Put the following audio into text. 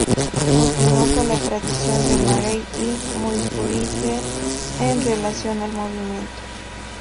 Continuó con la tradición de Marey y Muybridge en relación al movimiento.